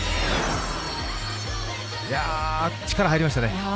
いや力入りましたね。